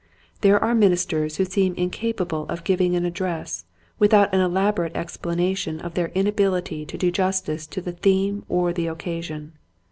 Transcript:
There are ministers who seem incapable of giving an address with out an elaborate explanation of their ina bility to do justice to the theme or the occasion.